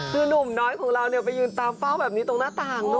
คือหนุ่มน้อยของเราไปยืนตามเฝ้าแบบนี้ตรงหน้าต่างเนอ